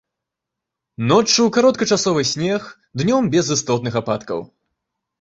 Ноччу кароткачасовы снег, днём без істотных ападкаў.